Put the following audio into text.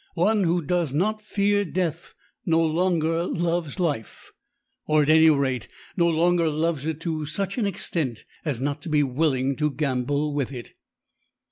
One who does not fear death no longer loves life, or, at any rate, no longer loves it to such an extent as not to be willing to gamble with it.